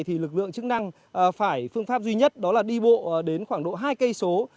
thì lực lượng chức năng phải phương pháp duy nhất đó là đi bộ đến khoảng độ hai km